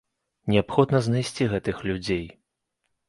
Неабходна знайсці гэтых людзей.